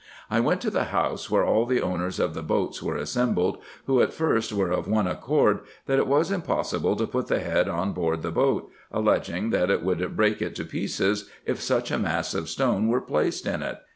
I went to the house where all the owners of the boats were assembled, who at first were of one accord, that it was im possible to put the head on board the boat, alleging that it woidd break it to pieces, if such a mass of stone were placed in it.